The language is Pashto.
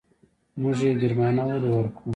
موږ يې ګرمانه ولې ورکړو.